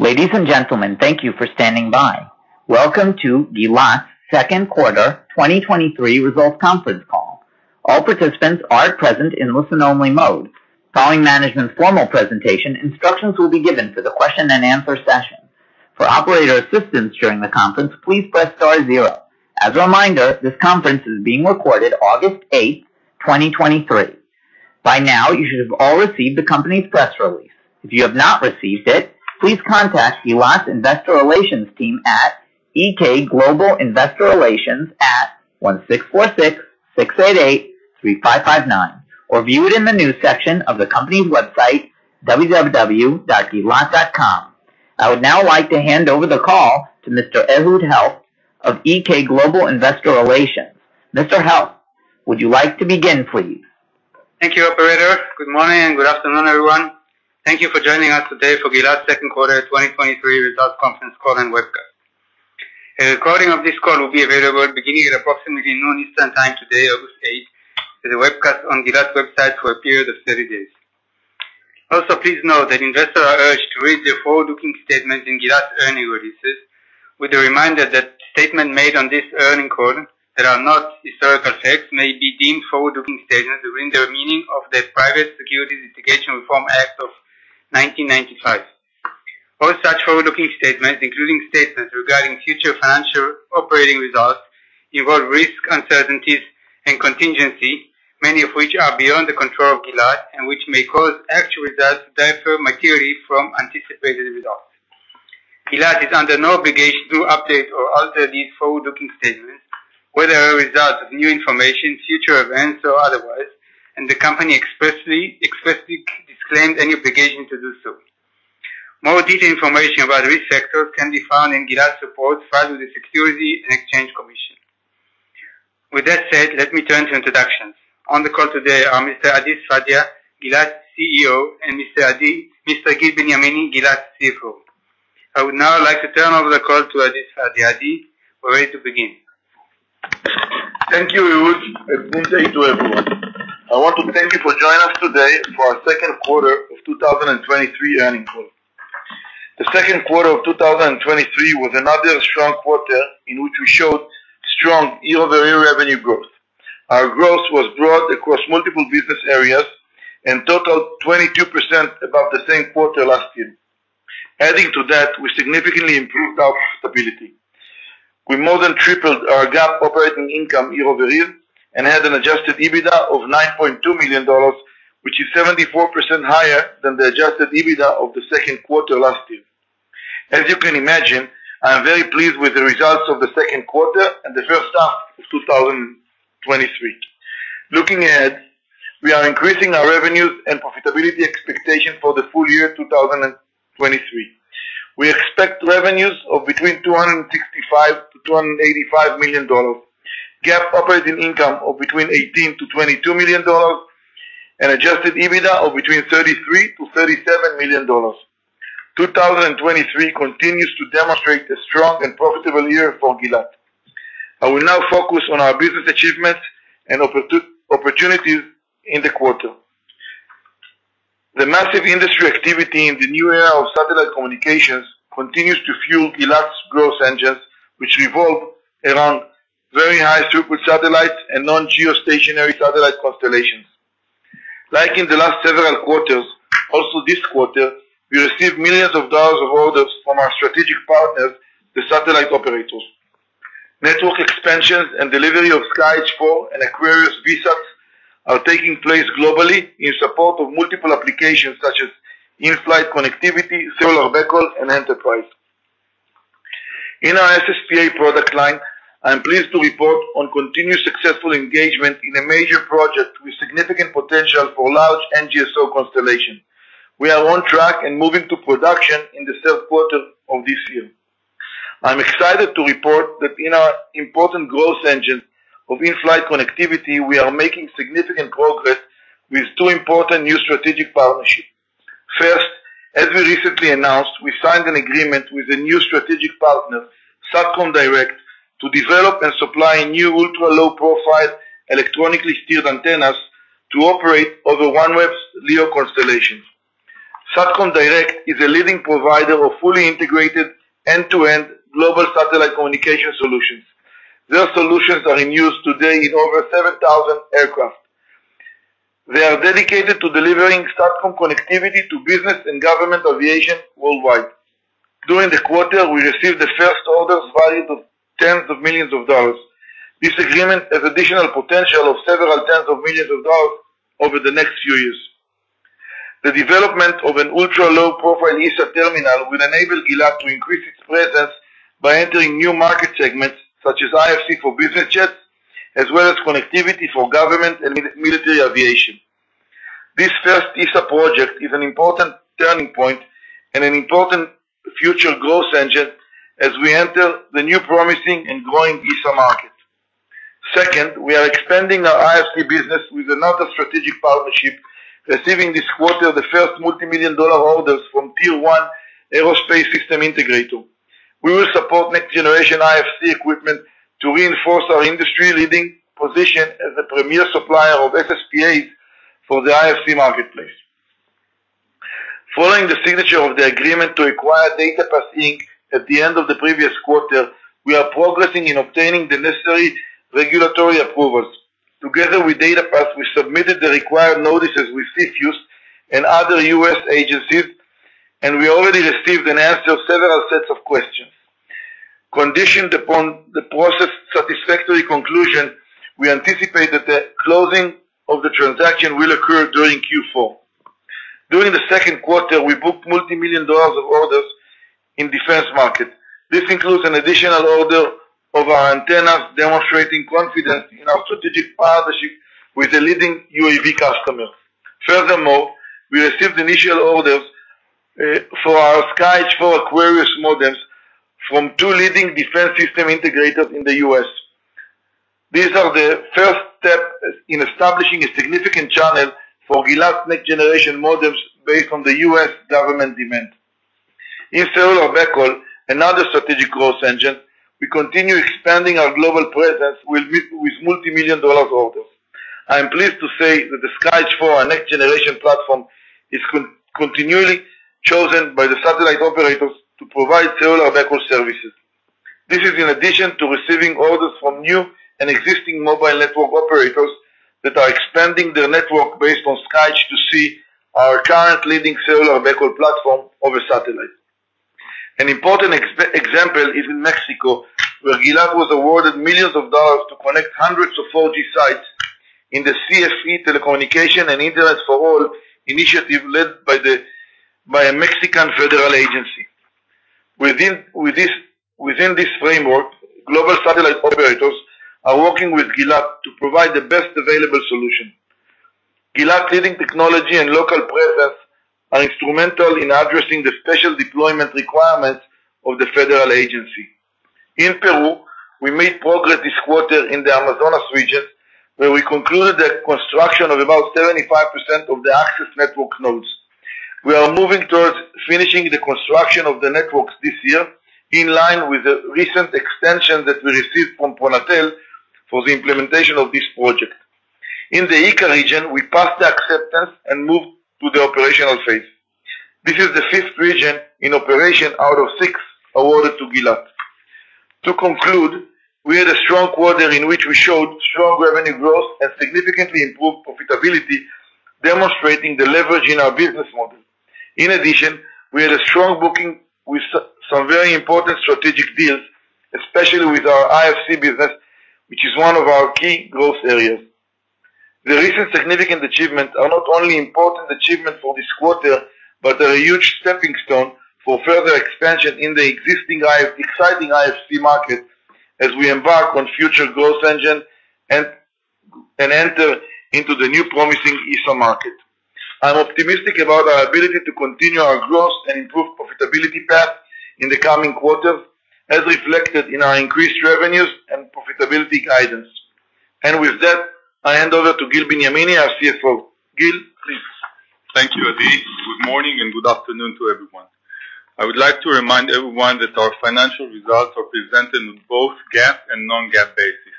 Ladies and gentlemen, thank you for standing by. Welcome to Gilat second quarter 2023 results conference call. All participants are present in listen-only mode. Following management's formal presentation, instructions will be given for the question and answer session. For operator assistance during the conference, please press *0. As a reminder, this conference is being recorded August 8, 2023. By now, you should have all received the company's press release. If you have not received it, please contact Gilat Investor Relations team at EK Global Investor Relations at 1-646-688-3559, or view it in the news section of the company's website, www.gilat.com. I would now like to hand over the call to Mr. Ehud Helft of EK Global Investor Relations. Mr. Helft, would you like to begin, please? Thank you, operator. Good morning, and good afternoon, everyone. Thank you for joining us today for Gilat second quarter 2023 results conference call and webcast. A recording of this call will be available beginning at approximately noon Eastern Time today, August 8th, and the webcast on Gilat website for a period of 30 days. Please note that investors are urged to read the forward-looking statements in Gilat earnings releases with a reminder that statement made on this earnings call that are not historical facts may be deemed forward-looking statements within the meaning of the Private Securities Litigation Reform Act of 1995. All such forward-looking statements, including statements regarding future financial operating results, involve risk, uncertainties, and contingency, many of which are beyond the control of Gilat, and which may cause actual results to differ materially from anticipated results. Gilat is under no obligation to update or alter these forward-looking statements, whether a result of new information, future events, or otherwise, and the company expressly, expressly disclaims any obligation to do so. More detailed information about risk factors can be found in Gilat support, filed with the Securities and Exchange Commission. With that said, let me turn to introductions. On the call today are Mr. Adi Sfadia, Gilat CEO, and Mr. Gil Benyamini, Gilat CFO. I would now like to turn over the call to Adi Sfadia. Adi, we're ready to begin. Thank you, Ehud, and good day to everyone. I want to thank you for joining us today for our second quarter of 2023 earnings call. The second quarter of 2023 was another strong quarter in which we showed strong year-over-year revenue growth. Our growth was broad across multiple business areas and totaled 22% above the same quarter last year. Adding to that, we significantly improved our profitability. We more than tripled our GAAP operating income year-over-year and had an Adjusted EBITDA of $9.2 million, which is 74% higher than the Adjusted EBITDA of the second quarter last year. As you can imagine, I am very pleased with the results of the second quarter and the first half of 2023. Looking ahead, we are increasing our revenues and profitability expectation for the full year 2023. We expect revenues of between $265 million-$285 million, GAAP operating income of between $18 million-$22 million, and Adjusted EBITDA of between $33 million-$37 million. 2023 continues to demonstrate a strong and profitable year for Gilat. I will now focus on our business achievements and opportunities in the quarter. The massive industry activity in the new era of satellite communications continues to fuel Gilat's growth engines, which revolve around Very High Throughput Satellite and non-geostationary satellite constellations. Like in the last several quarters, also this quarter, we received millions of dollars of orders from our strategic partners, the satellite operators. Network expansions and delivery of SkyEdge IV and Aquarius VSATs are taking place globally in support of multiple applications such as in-flight connectivity, solar vehicle, and enterprise. In our SSPA product line, I am pleased to report on continued successful engagement in a major project with significant potential for large NGSO constellation. We are on track and moving to production in the 3rd quarter of this year. I'm excited to report that in our important growth engine of in-flight connectivity, we are making significant progress with two important new strategic partnerships. First, as we recently announced, we signed an agreement with a new strategic partner, Satcom Direct, to develop and supply new ultra-low profile, electronically steered antennas to operate over OneWeb's LEO constellation. Satcom Direct is a leading provider of fully integrated end-to-end global satellite communication solutions. Their solutions are in use today in over 7,000 aircraft. They are dedicated to delivering Satcom connectivity to business and government aviation worldwide. During the quarter, we received the first orders valued of $10s of millions. This agreement has additional potential of several $10s of millions over the next few years. The development of an ultra-low profile ESA terminal will enable Gilat to increase its presence by entering new market segments, such as IFC for business jets, as well as connectivity for government and military aviation. This first ESA project is an important turning point and an important future growth engine as we enter the new promising and growing ESA market. Second, we are expanding our IFC business with another strategic partnership, receiving this quarter the first multimillion-dollar orders from tier one aerospace system integrator. We will support next generation IFC equipment to reinforce our industry leading position as the premier supplier of SSPAs for the IFC marketplace. Following the signature of the agreement to acquire DataPath, Inc., at the end of the previous quarter, we are progressing in obtaining the necessary regulatory approvals. Together with DataPath, we submitted the required notices with CFIUS and other U.S. agencies, and we already received an answer of several sets of questions. Conditioned upon the process satisfactory conclusion, we anticipate that the closing of the transaction will occur during Q4. During the second quarter, we booked multimillion dollars of orders in defense market. This includes an additional order of our antennas, demonstrating confidence in our strategic partnership with the leading UAV customer. Furthermore, we received initial orders for our SkyEdge IV Aquarius modems from two leading defense system integrators in the U.S. These are the first step in establishing a significant channel for Gilat's next generation modems based on the U.S. government demand. In cellular backhaul, another strategic growth engine, we continue expanding our global presence with multimillion dollar orders. I'm pleased to say that the SkyEdge IV, our next generation platform, is continually chosen by the satellite operators to provide cellular backhaul services. This is in addition to receiving orders from new and existing mobile network operators that are expanding their network based on SkyEdge II-c, our current leading cellular backhaul platform over satellite. An important example is in Mexico, where Gilat was awarded millions of dollars to connect hundreds of 4G sites in the CFE Telecommunications and Internet for All initiative, led by the by a Mexican federal agency. Within this framework, global satellite operators are working with Gilat to provide the best available solution. Gilat's leading technology and local presence are instrumental in addressing the special deployment requirements of the federal agency. In Peru, we made progress this quarter in the Amazonas region, where we concluded the construction of about 75% of the access network nodes. We are moving towards finishing the construction of the networks this year, in line with the recent extension that we received from PRONATEL for the implementation of this project. In the Ica region, we passed the acceptance and moved to the operational phase. This is the fifth region in operation out of six awarded to Gilat. To conclude, we had a strong quarter in which we showed strong revenue growth and significantly improved profitability, demonstrating the leverage in our business model. In addition, we had a strong booking with some very important strategic deals, especially with our IFC business, which is one of our key growth areas. The recent significant achievements are not only important achievements for this quarter, but they're a huge stepping stone for further expansion in the existing exciting IFC market, as we embark on future growth engine and enter into the new promising ESA market. I'm optimistic about our ability to continue our growth and improve profitability path in the coming quarters, as reflected in our increased revenues and profitability guidance. With that, I hand over to Gil Benyamini, our CFO. Gil, please. Thank you, Adi. Good morning, and good afternoon to everyone. I would like to remind everyone that our financial results are presented in both GAAP and non-GAAP basis.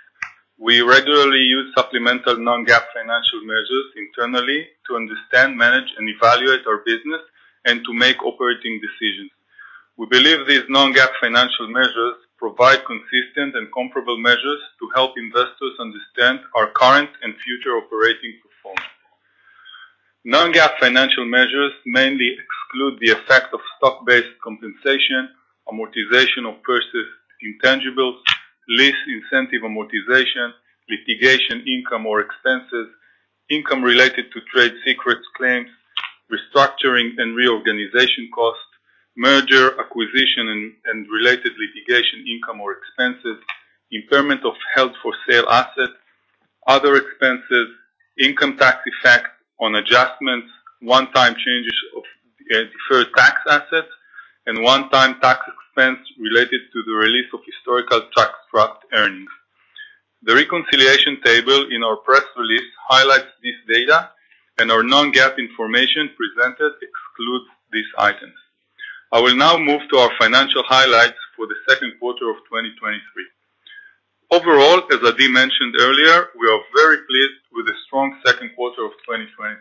We regularly use supplemental non-GAAP financial measures internally to understand, manage, and evaluate our business and to make operating decisions. We believe these non-GAAP financial measures provide consistent and comparable measures to help investors understand our current and future operating performance. Non-GAAP financial measures mainly exclude the effect of stock-based compensation, amortization of purchased intangibles, lease incentive amortization, litigation income or expenses, income related to trade secrets claims, restructuring and reorganization costs, merger, acquisition and related litigation income or expenses, impairment of held-for-sale assets, other expenses, income tax effect on adjustments, one-time changes of deferred tax assets, and one-time tax expense related to the release of historical tax trapped earnings. The reconciliation table in our press release highlights this data, and our non-GAAP information presented excludes these items. I will now move to our financial highlights for the second quarter of 2023. Overall, as Adi mentioned earlier, we are very pleased with the strong second quarter of 2023.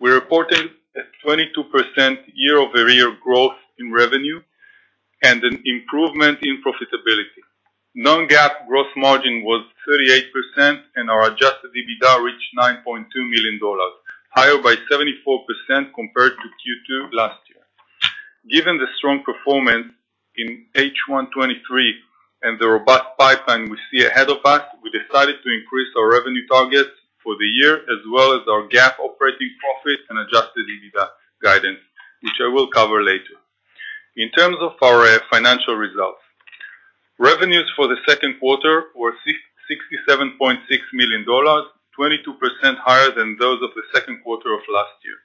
We're reporting a 22% year-over-year growth in revenue, and an improvement in profitability. Non-GAAP gross margin was 38%, and our Adjusted EBITDA reached $9.2 million, higher by 74% compared to Q2 last year. Given the strong performance in H1 2023, and the robust pipeline we see ahead of us, we decided to increase our revenue targets for the year, as well as our GAAP operating profits and Adjusted EBITDA guidance, which I will cover later. In terms of our financial results, revenues for the second quarter were $67.6 million, 22% higher than those of the second quarter of last year.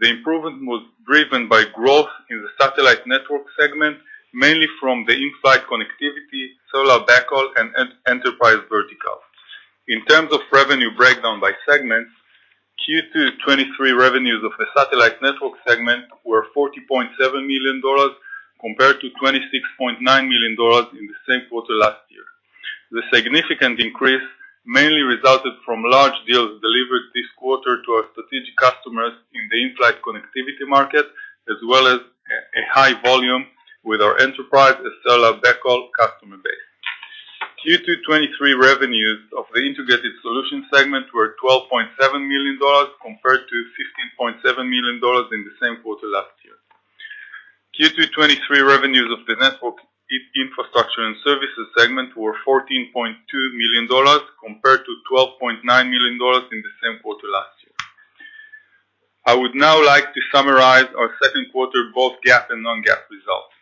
The improvement was driven by growth in the satellite network segment, mainly from the in-flight connectivity, cellular backhaul, and Enterprise vertical. In terms of revenue breakdown by segments, Q2 2023 revenues of the satellite network segment were $40.7 million, compared to $26.9 million in the same quarter last year. The significant increase mainly resulted from large deals delivered this quarter to our strategic customers in the in-flight connectivity market, as well as a high volume with our enterprise Estella Bechtel customer base. Q2 2023 revenues of the integrated solutions segment were $12.7 million, compared to $15.7 million in the same quarter last year. Q2 2023 revenues of the network infrastructure and services segment were $14.2 million, compared to $12.9 million in the same quarter last year. I would now like to summarize our second quarter, both GAAP and non-GAAP results.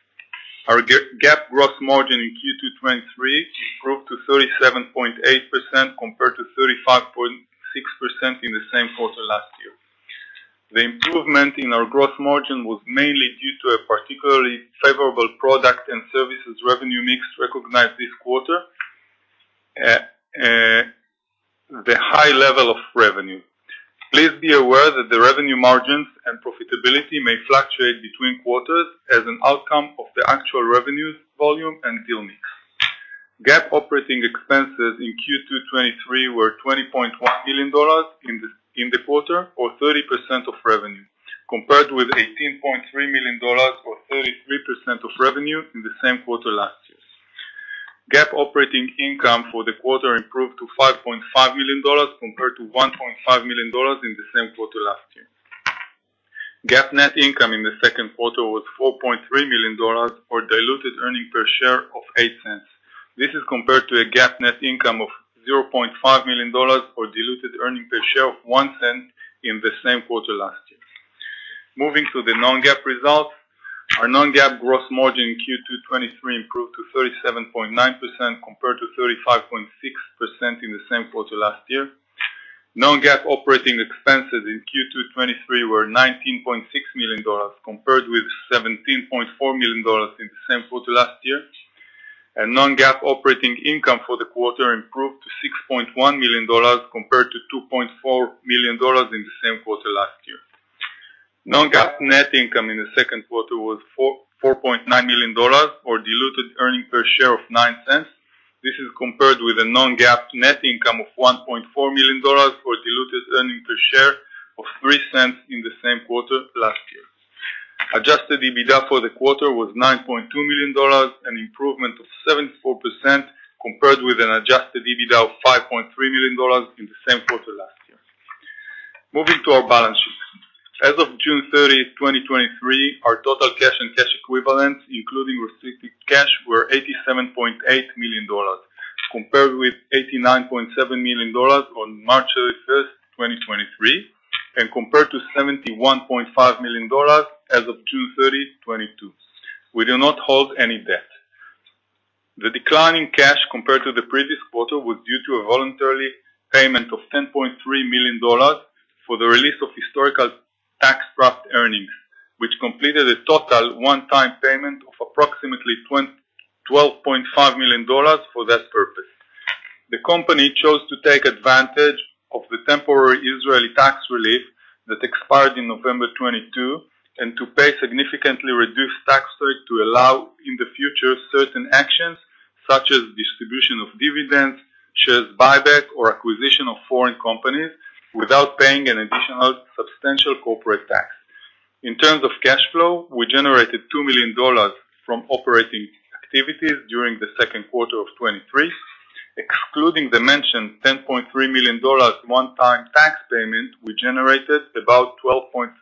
Our GAAP gross margin in Q2 2023 improved to 37.8%, compared to 35.6% in the same quarter last year. The improvement in our gross margin was mainly due to a particularly favorable product and services revenue mix recognized this quarter, the high level of revenue. Please be aware that the revenue margins and profitability may fluctuate between quarters as an outcome of the actual revenues, volume, and deal mix. GAAP operating expenses in Q2 2023 were $20.1 million in the quarter, or 30% of revenue, compared with $18.3 million, or 33% of revenue in the same quarter last year. GAAP operating income for the quarter improved to $5.5 million, compared to $1.5 million in the same quarter last year. GAAP net income in the second quarter was $4.3 million, or diluted earnings per share of $0.08. This is compared to a GAAP net income of $0.5 million, or diluted earnings per share of $0.01 in the same quarter last year. Moving to the non-GAAP results, our non-GAAP gross margin in Q2 2023 improved to 37.9%, compared to 35.6% in the same quarter last year. Non-GAAP operating expenses in Q2 2023 were $19.6 million, compared with $17.4 million in the same quarter last year. Non-GAAP operating income for the quarter improved to $6.1 million, compared to $2.4 million in the same quarter last year. Non-GAAP net income in the second quarter was $4.9 million, or diluted earnings per share of $0.09. This is compared with a non-GAAP net income of $1.4 million, or diluted earnings per share of $0.03 in the same quarter last year. Adjusted EBITDA for the quarter was $9.2 million, an improvement of 74%, compared with an Adjusted EBITDA of $5.3 million in the same quarter last year. Moving to our balance sheet. As of June 30, 2023, our total cash and cash equivalents, including restricted cash, were $87.8 million, compared with $89.7 million on March 31st, 2023, and compared to $71.5 million as of June 30, 2022. We do not hold any debt. The decline in cash compared to the previous quarter, was due to a voluntarily payment of $10.3 million for the release of historical tax draft earnings, which completed a total one-time payment of approximately $12.5 million for that purpose. The company chose to take advantage of the temporary Israeli tax relief that expired in November 2022, to pay significantly reduced tax rate, to allow, in the future, certain actions such as distribution of dividends, shares buyback, or acquisition of foreign companies, without paying an additional substantial corporate tax. In terms of cash flow, we generated $2 million from operating activities during the second quarter of 2023. Excluding the mentioned $10.3 million one-time tax payment, we generated about $12.3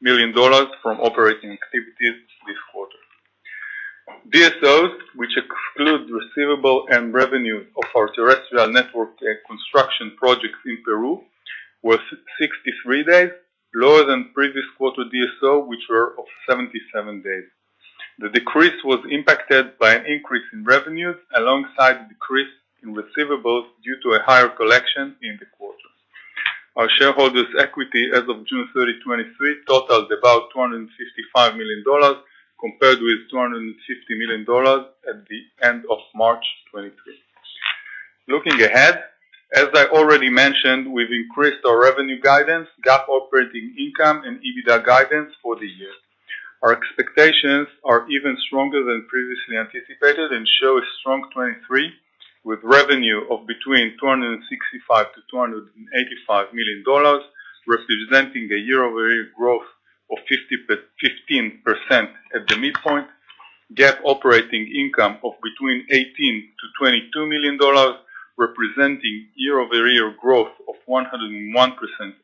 million from operating activities this quarter. DSOs, which include receivable and revenue of our terrestrial network, construction projects in Peru, was 63 days, lower than previous quarter DSO, which were of 77 days. The decrease was impacted by an increase in revenues, alongside decrease in receivables, due to a higher collection in the quarter. Our shareholders' equity as of June 30, 2023, totals about $255 million, compared with $250 million at the end of March 2023. Looking ahead, as I already mentioned, we've increased our revenue guidance, GAAP operating income, and EBITDA guidance for the year. Our expectations are even stronger than previously anticipated and show a strong 2023, with revenue of between $265 million-$285 million, representing a year-over-year growth of 15% at the midpoint. GAAP operating income of between $18 million-$22 million, representing year-over-year growth of 101%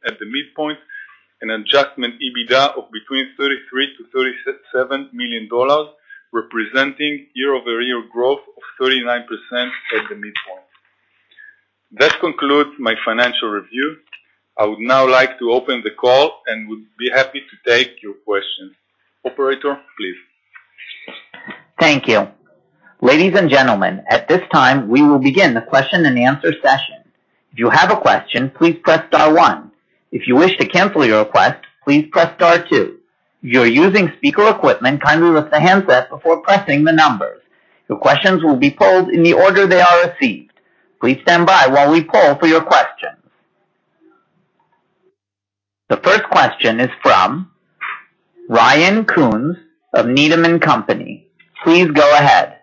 at the midpoint, and adjustment EBITDA of between $33 million-$37 million, representing year-over-year growth of 39% at the midpoint. That concludes my financial review. I would now like to open the call and would be happy to take your questions. Operator, please. Thank you. Ladies and gentlemen, at this time, we will begin the question and answer session. If you have a question, please press star one. If you wish to cancel your request, please press star two. If you're using speaker equipment, kindly lift the handset before pressing the numbers. Your questions will be posed in the order they are received. Please stand by while we poll for your question.... The first question is from Ryan Koontz of Needham & Company. Please go ahead.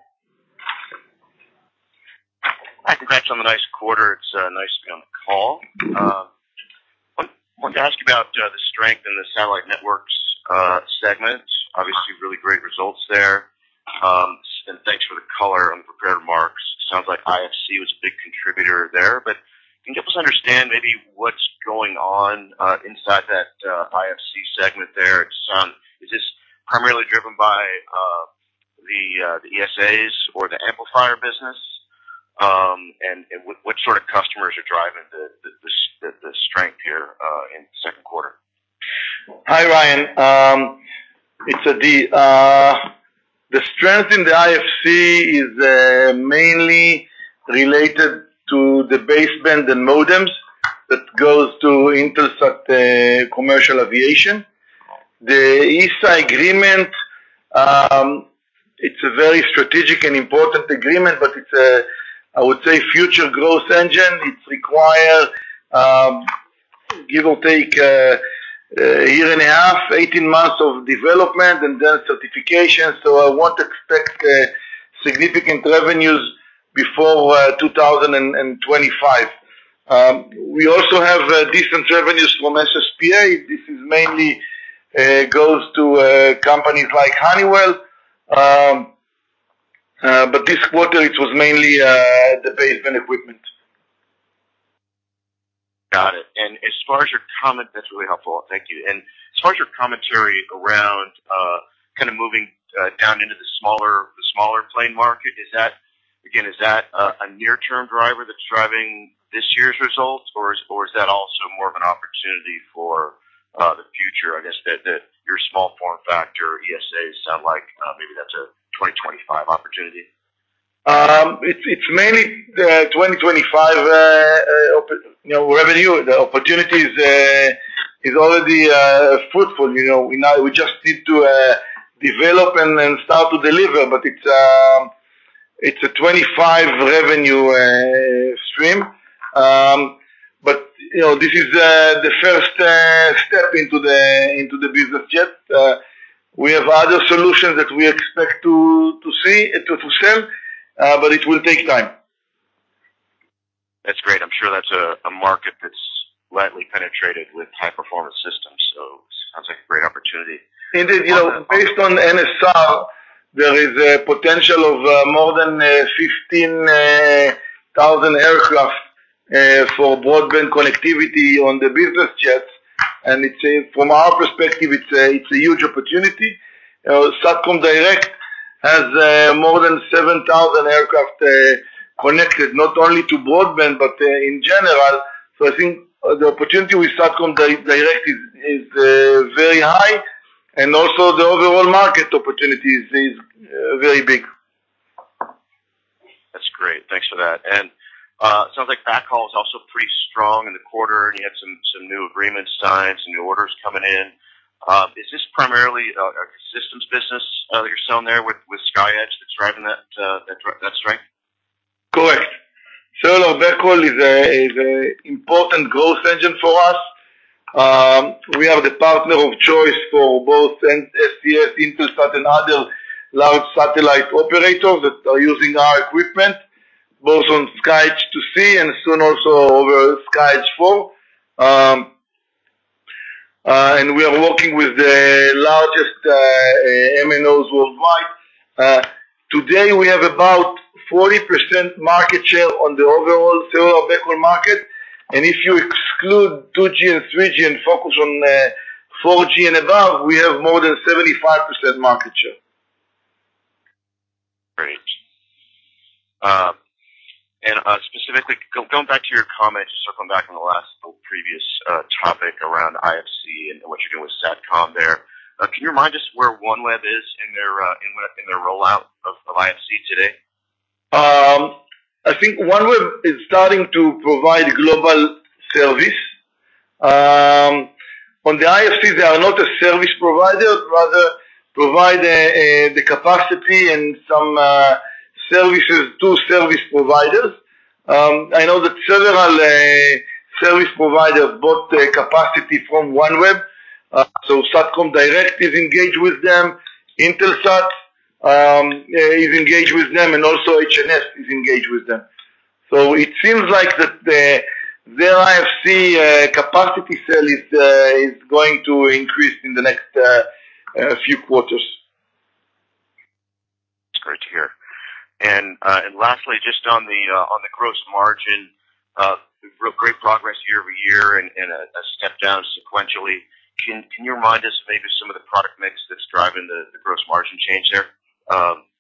Hi, congrats on the nice quarter. It's nice to be on the call. Wanted to ask you about the strength in the satellite networks segment. Obviously, really great results there. Thanks for the color on the prepared remarks. Sounds like IFC was a big contributor there. Can you help us understand maybe what's going on inside that IFC segment there? Is this primarily driven by the ESAs or the amplifier business? What sort of customers are driving the strength here in the second quarter? Hi, Ryan. The strength in the IFC is mainly related to the baseband, the modems, that goes to Intelsat commercial aviation. The ESA agreement, it's a very strategic and important agreement, it's a, I would say, future growth engine. It require give or take a year and a half, 18 months of development and then certification, I won't expect significant revenues before 2025. We also have decent revenues from SSPA. This is mainly goes to companies like Honeywell. This quarter, it was mainly the baseband equipment. Got it. As far as your comment... That's really helpful. Thank you. As far as your commentary around, kind of moving, down into the smaller plane market, is that, again, is that a, a near-term driver that's driving this year's results? Or is that also more of an opportunity for the future? I guess that your small form factor ESAs sound like, maybe that's a 2025 opportunity. It's, it's mainly the 2025, you know, revenue. The opportunity is, is already fruitful, you know. We just need to develop and start to deliver, but it's a 2025 revenue stream. You know, this is the first step into the, into the business jet. We have other solutions that we expect to see, to sell, but it will take time. That's great. I'm sure that's a, a market that's lightly penetrated with high-performance systems, so sounds like a great opportunity. It is, you know, based on NSR, there is a potential of, more than 15,000 aircraft, for broadband connectivity on the business jets, and it's from our perspective, it's a, it's a huge opportunity. Satcom Direct has, more than 7,000 aircraft, connected, not only to broadband, but, in general. I think, the opportunity with Satcom Direct is, is, very high, and also the overall market opportunity is, is, very big. That's great. Thanks for that. Sounds like backhaul is also pretty strong in the quarter, and you had some, some new agreements signed, some new orders coming in. Is this primarily a systems business that you're selling there with, with SkyEdge that's driving that, that strength? Correct. Backhaul is a, is a important growth engine for us. We are the partner of choice for both SES, Intelsat and other large satellite operators that are using our equipment, both on SkyEdge II-c and soon also over SkyEdge IV. We are working with the largest MNOs worldwide. Today, we have about 40% market share on the overall sale of backhaul market, and if you exclude 2G and 3G and focus on 4G and above, we have more than 75% market share. Great. Specifically, going back to your comment, just circling back on the last previous topic around IFC and what you're doing with Satcom there. Can you remind us where OneWeb is in their, in their rollout of IFC today? I think OneWeb is starting to provide global service. On the IFC, they are not a service provider, rather provide the capacity and some services to service providers. I know that several service providers bought the capacity from OneWeb. Satcom Direct is engaged with them, Intelsat is engaged with them, and also HNS is engaged with them. It seems like that the, the IFC capacity sale is going to increase in the next few quarters. That's great to hear. Lastly, just on the gross margin, real great progress year-over-year and a step down sequentially. Can you remind us maybe some of the product mix that's driving the gross margin change there,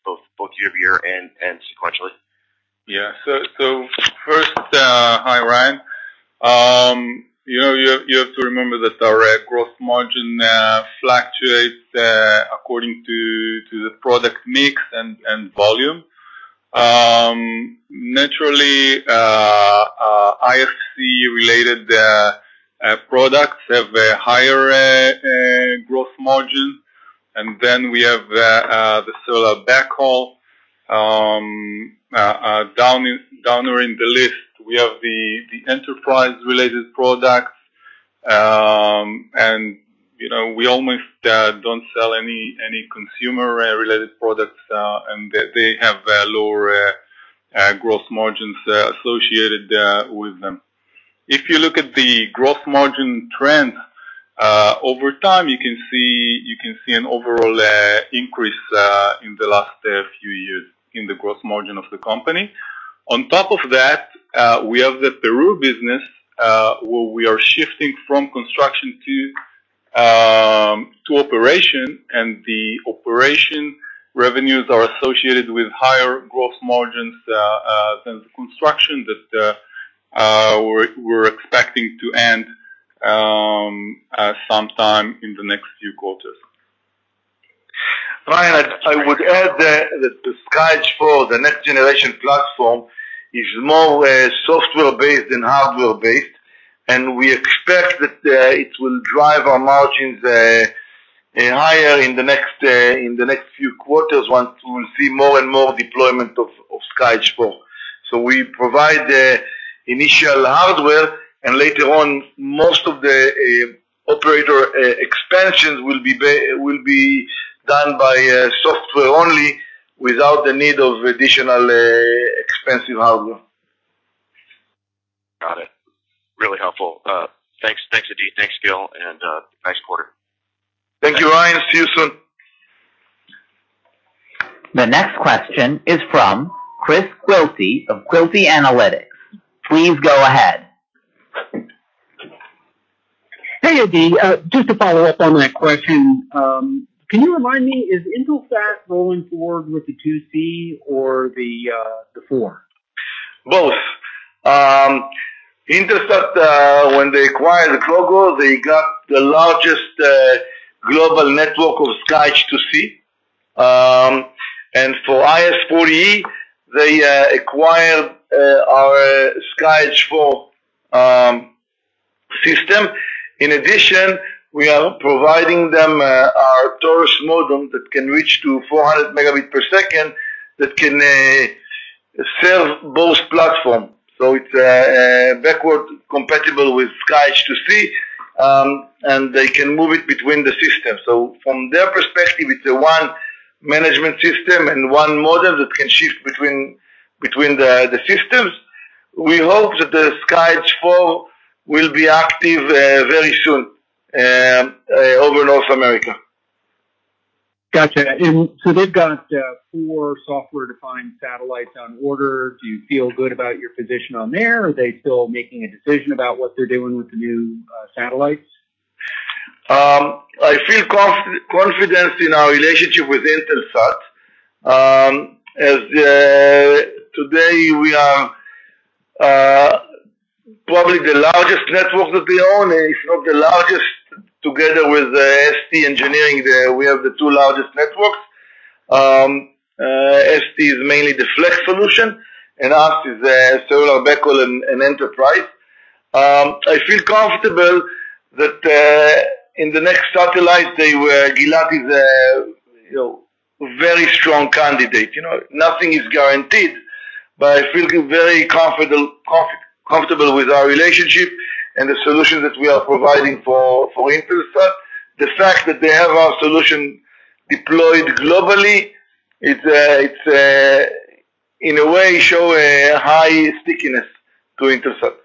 both year-over-year and sequentially? Yeah. First, hi, Ryan. You know, you, you have to remember that our gross margin fluctuates according to, to the product mix and, and volume. Naturally, IFC-related products have a higher gross margin, and then we have the cellular backhaul down, downer in the list, we have the, the enterprise-related products, and, you know, we almost don't sell any, any consumer related products, and they, they have lower gross margins associated with them. If you look at the gross margin trend over time, you can see, you can see an overall increase in the last few years in the gross margin of the company. On top of that, we have the Peru business, where we are shifting from construction to operation, and the operation revenues are associated with higher gross margins than the construction that we're, we're expecting to end sometime in the next few quarters. Ryan, I, I would add that, that the SkyEdge IV, the next generation platform, is more software-based than hardware-based, and we expect that it will drive our margins higher in the next in the next few quarters once we will see more and more deployment of SkyEdge IV. We provide the initial hardware, and later on, most of the operator expansions will be done by software only, without the need of additional expensive hardware. Got it. Really helpful. Thanks. Thanks, Adi. Thanks, Gil, and nice quarter. Thank you, Ryan. See you soon. The next question is from Chris Quilty of Quilty Analytics. Please go ahead. Hey, Adi, just to follow up on that question, can you remind me, is Intelsat going forward with the II-c or the IV? Both. Intelsat, when they acquired Gogo, they got the largest, global network of SkyEdge II-c. For IS-40e, they acquired our SkyEdge IV system. In addition, we are providing them our Taurus modem that can reach to 400 Mbps, that can serve both platform. It's backward compatible with SkyEdge II-c, and they can move it between the systems. From their perspective, it's the one management system and one model that can shift between, between the, the systems. We hope that the SkyEdge IV will be active very soon over North America. Gotcha. So they've got four software-defined satellites on order. Do you feel good about your position on there, or are they still making a decision about what they're doing with the new satellites? I feel conf- confidence in our relationship with Intelsat. As today, we are probably the largest network that they own. If not the largest, together with ST Engineering, there we have the two largest networks. ST is mainly the Flex solution, and us is cellular backhaul and enterprise. I feel comfortable that in the next satellite, they were... Gilat is a, you know, very strong candidate. You know, nothing is guaranteed, but I feel very confident, conf- comfortable with our relationship and the solution that we are providing for, for Intelsat. The fact that they have our solution deployed globally, it's, it's in a way, show a high stickiness to Intelsat.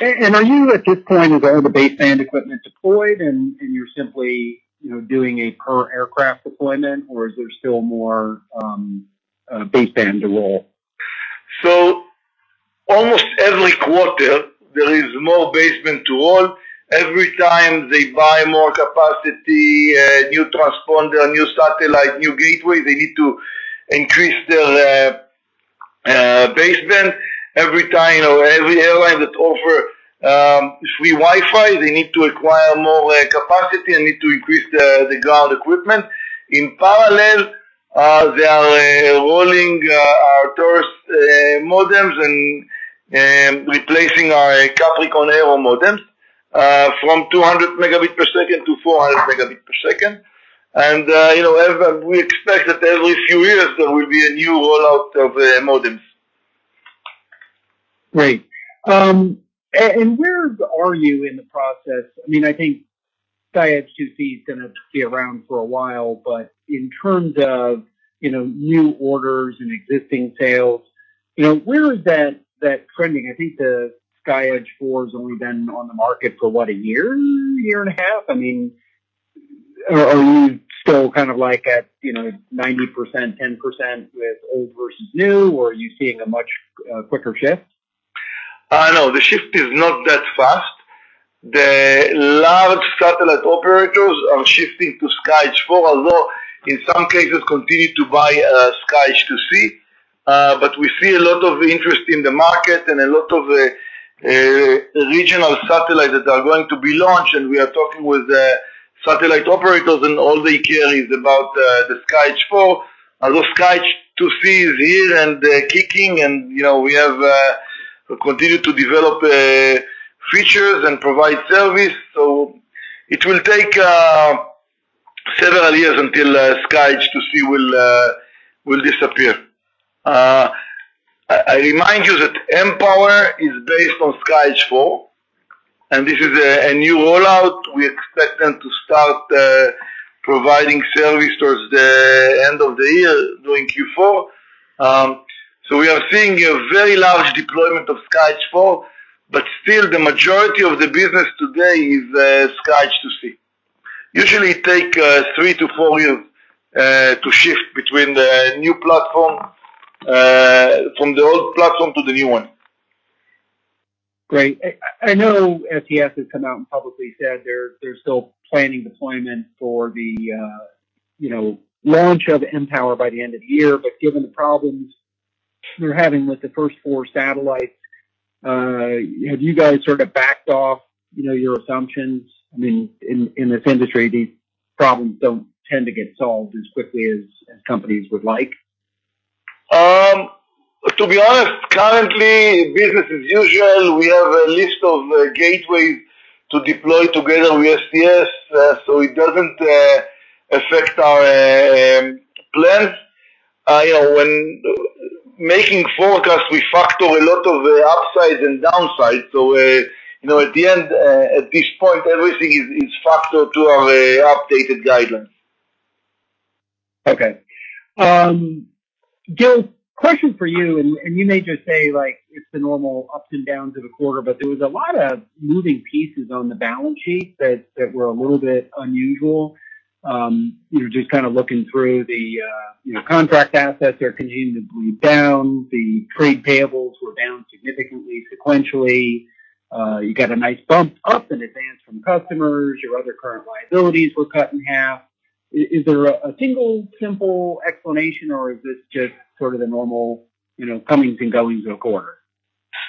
Are you at this point, is all the baseband equipment deployed and, and you're simply, you know, doing a per aircraft deployment, or is there still more baseband to roll? Almost every quarter, there is more baseband to roll. Every time they buy more capacity, new transponder, new satellite, new gateway, they need to increase their baseband. Every time or every airline that offer free Wi-Fi, they need to acquire more capacity and need to increase the ground equipment. In parallel, they are rolling our Taurus modems and replacing our Capricorn Aero modems from 200 Mbps to 400 Mbps, and, you know, we expect that every few years, there will be a new rollout of modems. Great. Where are you in the process? I mean, I think SkyEdge II-c is gonna be around for a while, but in terms of, you know, new orders and existing sales, you know, where is that, that trending? I think the SkyEdge IV's only been on the market for what, a year, year and a half? I mean, are, are you still kind of like at, you know, 90%, 10% with old versus new, or are you seeing a much quicker shift? No, the shift is not that fast. The large satellite operators are shifting to SkyEdge IV, although, in some cases, continue to buy SkyEdge II-c. But we see a lot of interest in the market and a lot of regional satellites that are going to be launched, and we are talking with the satellite operators, and all they care is about the SkyEdge IV. Although SkyEdge II-c is here and kicking and, you know, we have continued to develop features and provide service, so it will take several years until SkyEdge II-c will disappear. I remind you that mPOWER is based on SkyEdge IV, and this is a new rollout. We expect them to start providing service towards the end of the year, during Q4. We are seeing a very large deployment of SkyEdge IV, but still the majority of the business today is SkyEdge II-c. Usually, it take three to four years to shift between the new platform from the old platform to the new one. Great. I know SES has come out and publicly said they're, they're still planning deployment for the, you know, launch of mPower by the end of the year, but given the problems they're having with the first four satellites, have you guys sort of backed off, you know, your assumptions? I mean, in this industry, these problems don't tend to get solved as quickly as, as companies would like. To be honest, currently business as usual. We have a list of gateways to deploy together with SES, so it doesn't affect our plans. You know, when making forecasts, we factor a lot of upsides and downsides, so, you know, at the end, at this point, everything is factored to our updated guidance. Okay. Gil, question for you, and, and you may just say, like, it's the normal ups and downs of a quarter, but there was a lot of moving pieces on the balance sheet that, that were a little bit unusual. You know, just kind of looking through the, you know, contract assets are continuing to move down. The trade payables were down significantly, sequentially. You got a nice bump up in advance from customers. Your other current liabilities were cut in half. Is there a single simple explanation, or is this just sort of the normal, you know, comings and goings of a quarter?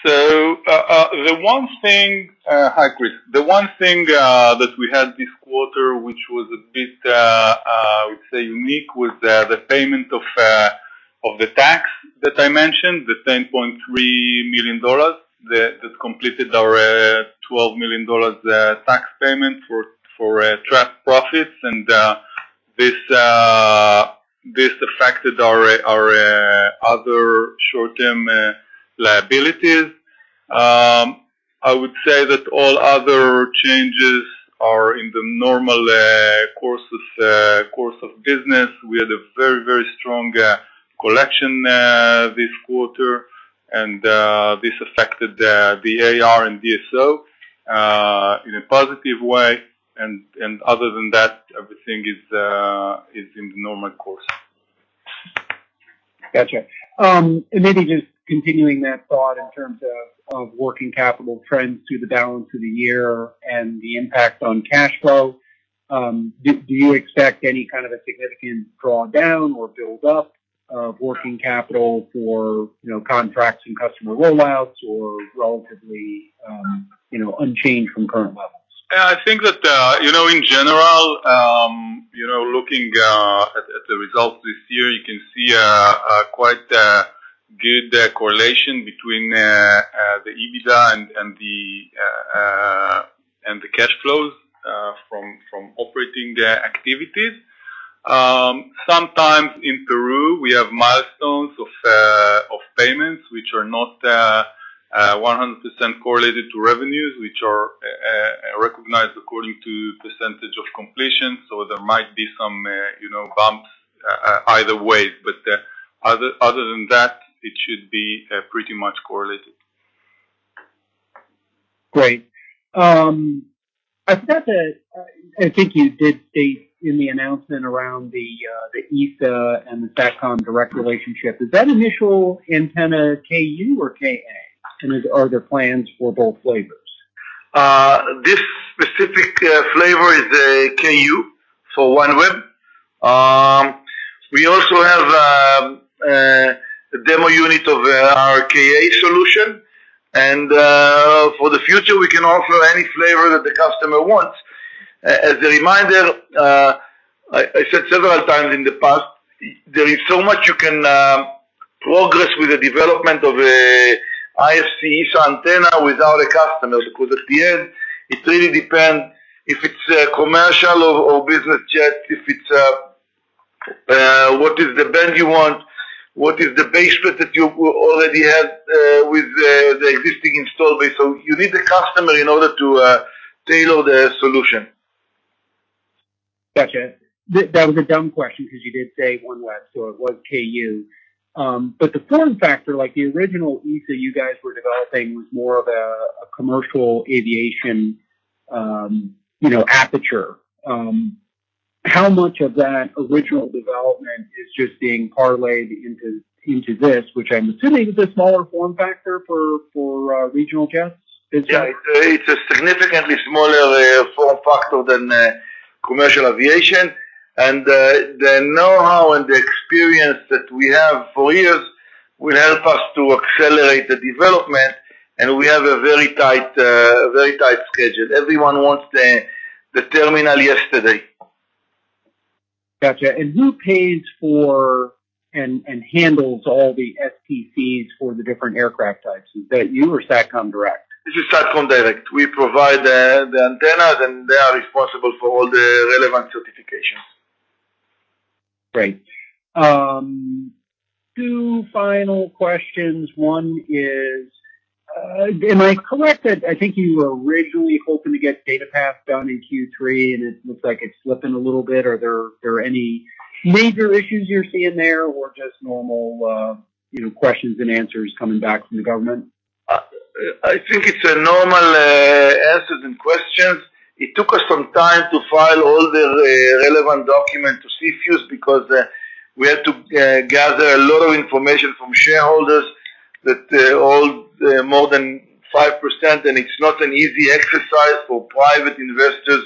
The one thing, Hi, Chris. The one thing that we had this quarter, which was a bit, I would say unique, was the payment of the tax that I mentioned, the $10.3 million that completed our $12 million tax payment for trapped profits, and this affected our other short-term liabilities. I would say that all other changes are in the normal course of business. We had a very, very strong collection this quarter, and this affected the AR and DSO in a positive way, and other than that, everything is in the normal course. Gotcha. And maybe just continuing that thought in terms of, of working capital trends through the balance of the year and the impact on cash flow, do, do you expect any kind of a significant drawdown or build-up of working capital for, you know, contracts and customer rollouts or relatively, you know, unchanged from current levels? Yeah, I think that, you know, in general, you know, looking at the results this year, you can see a quite good correlation between the EBITDA and the cash flows from operating the activities. Sometimes in Peru, we have milestones of payments, which are not 100% correlated to revenues, which are recognized according to percentage of completion, so there might be some, you know, bumps either way, but other than that, it should be pretty much correlated. Great. I think you did state in the announcement around the ESA and the Satcom Direct relationship, is that initial antenna Ku-band or Ka-band? Are there plans for both flavors? This specific flavor is a Ku-band, for OneWeb. We also have a demo unit of our Ka-band solution, for the future, we can offer any flavor that the customer wants. As a reminder, I, I said several times in the past, there is so much you can progress with the development of IFC antenna without a customer, because at the end, it really depends if it's a commercial or, or business jet, if it's, what is the band you want? What is the basement that you already have with the existing install base? You need the customer in order to tailor the solution. Gotcha. That was a dumb question because you did say OneWeb, so it was Ku-Band. The form factor, like the original ESA you guys were developing, was more of a commercial aviation, you know, aperture. How much of that original development is just being parlayed into, into this, which I'm assuming is a smaller form factor for regional jets? Is that? Yeah. It's a significantly smaller form factor than commercial aviation, and the know-how and the experience that we have for years, will help us to accelerate the development, and we have a very tight, a very tight schedule. Everyone wants the terminal yesterday. Gotcha. Who pays for and handles all the STCs for the different aircraft types? Is that you or Satcom Direct? This is Satcom Direct. We provide the, the antennas. They are responsible for all the relevant certifications. Great. Two final questions. One is, am I correct that I think you were originally hoping to get DataPath down in Q3, and it looks like it's slipping a little bit? Are there, are there any major issues you're seeing there, or just normal, you know, questions and answers coming back from the government? I think it's a normal answers and questions. It took us some time to file all the relevant document to CFIUS, because we had to gather a lot of information from shareholders, that hold more than 5%, and it's not an easy exercise for private investors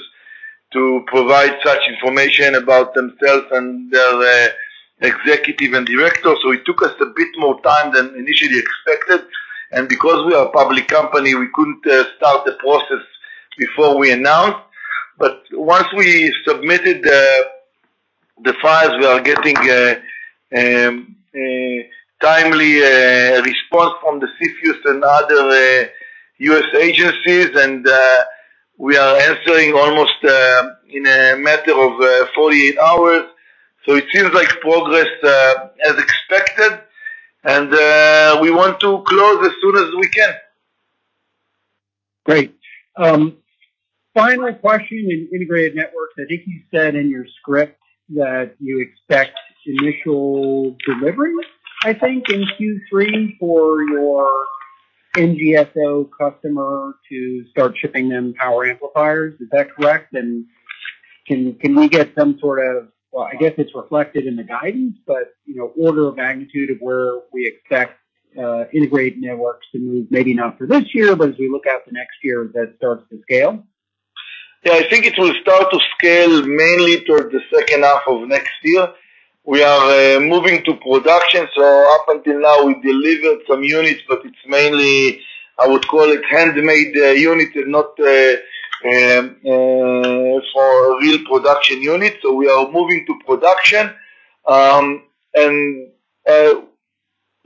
to provide such information about themselves and their executive and directors. It took us a bit more time than initially expected, and because we are a public company, we couldn't start the process before we announced. Once we submitted the files, we are getting a timely response from the CFIUS and other U.S. agencies, and we are answering almost in a matter of 48 hours. It seems like progress as expected, and we want to close as soon as we can. Great. Final question in integrated networks. I think you said in your script that you expect initial delivery, I think, in Q3, for your NGSO customer to start shipping them power amplifiers. Is that correct? Can, can we get some sort of... Well, I guess it's reflected in the guidance, but, you know, order of magnitude of where we expect integrated networks to move, maybe not for this year, but as we look out the next year, that starts to scale? Yeah, I think it will start to scale mainly towards the second half of next year. We are moving to production, so up until now, we delivered some units, but it's mainly, I would call it, handmade units, and not for real production units. We are moving to production. The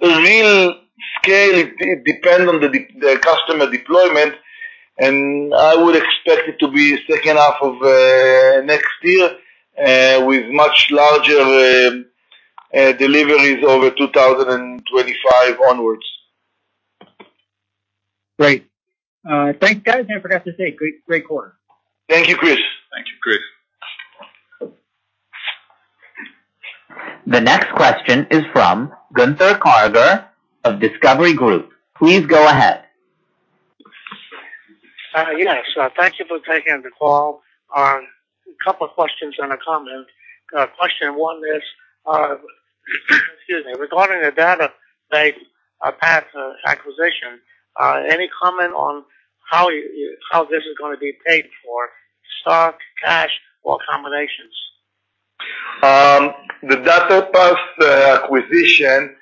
real scale, it depends on the customer deployment, and I would expect it to be second half of next year with much larger deliveries over 2025 onwards. Great. Thank you, guys, and I forgot to say great, great quarter. Thank you, Chris. Thank you, Chris. The next question is from Gunther Karger of Discovery Group. Please go ahead. Yes, thank you for taking the call. A couple of questions and a comment. Question one is, excuse me. Regarding the DataPath, path, acquisition, any comment on how you, how this is gonna be paid for? Stock, cash, or combinations? The DataPath acquisition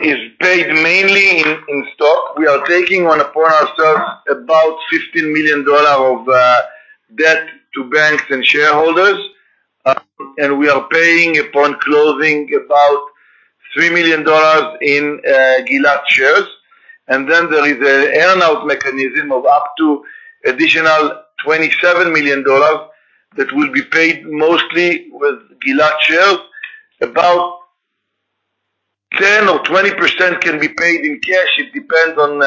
is paid mainly in stock. We are taking on upon ourselves about $15 million of debt to banks and shareholders, and we are paying upon closing about $3 million in Gilat shares. There is an earn-out mechanism of up to additional $27 million, that will be paid mostly with Gilat shares. About 10% or 20% can be paid in cash. It depends on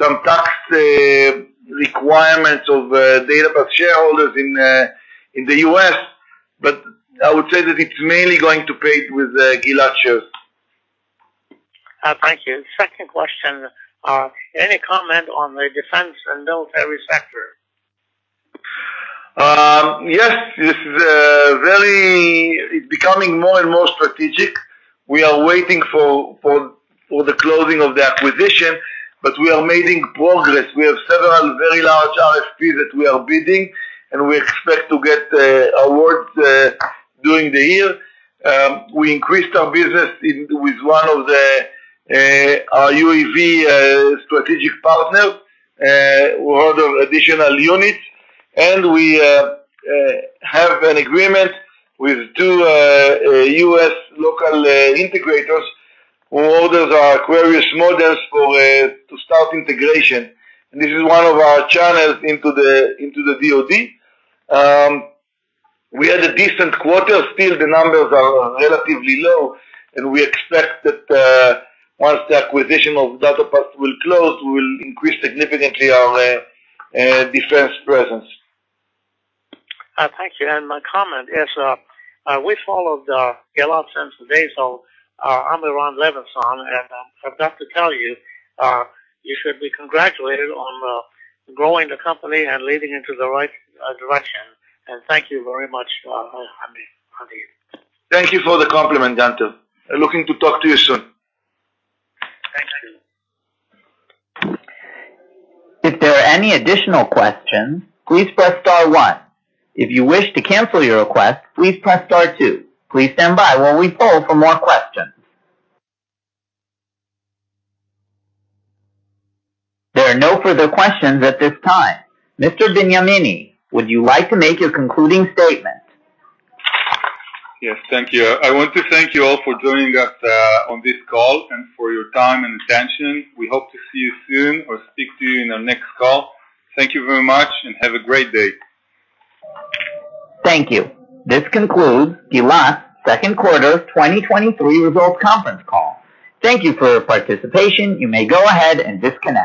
some tax requirements of DataPath shareholders in the U.S., but I would say that it's mainly going to pay with Gilat shares. Thank you. Second question: any comment on the defense and military sector? Yes, this is very... It's becoming more and more strategic. We are waiting for, for, for the closing of the acquisition, but we are making progress. We have several very large RFPs that we are bidding, and we expect to get awards during the year. We increased our business in, with one of the our UAV strategic partner, who ordered additional units, and we have an agreement with two U.S. local integrators, who ordered our Aquarius models for to start integration. This is one of our channels into the, into the DoD. We had a decent quarter. Still, the numbers are relatively low, and we expect that once the acquisition of DataPath will close, we will increase significantly our defense presence. Thank you. My comment is, we followed Gilat since the days of Amiram Levinberg, and, I've got to tell you, you should be congratulated on growing the company and leading it to the right direction. Thank you very much, Adi. Adi. Thank you for the compliment, Gunther. Looking to talk to you soon. Thank you. If there are any additional questions, please press star one. If you wish to cancel your request, please press star two. Please stand by while we poll for more questions. There are no further questions at this time. Mr. Benyamini, would you like to make your concluding statement? Yes, thank you. I want to thank you all for joining us on this call and for your time and attention. We hope to see you soon or speak to you in our next call. Thank you very much. Have a great day. Thank you. This concludes Gilat's second quarter 2023 results conference call. Thank you for your participation. You may go ahead and disconnect.